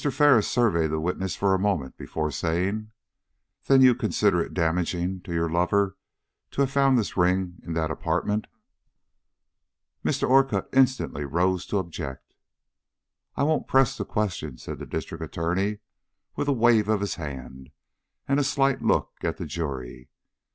Ferris surveyed the witness for a moment before saying: "Then you considered it damaging to your lover to have this ring found in that apartment?" Mr. Orcutt instantly rose to object. "I won't press the question," said the District Attorney, with a wave of his hand and a slight look at the jury.